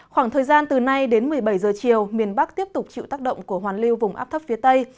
khoảng thời gian từ nay đến một mươi bảy giờ chiều miền bắc tiếp tục chịu tác động của hoàn lưu vùng áp thấp phía tây